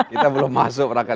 kita belum masuk raka